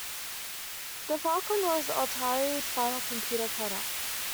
The Falcon was Atari's final computer product.